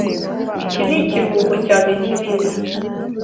Iki nikiruhuko cyanjye kinini.